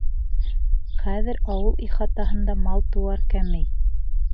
Хәҙер ауыл ихатаһында мал-тыуар кәмей.